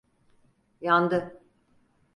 Yandı.